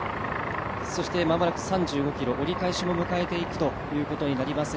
そして間もなく３５ｋｍ、折り返しも迎えていくということになりますが